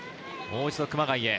もう一度、熊谷へ。